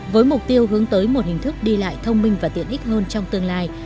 với mục tiêu hướng tới một hình thức đi lại thông minh và tiện ích hơn trong tương lai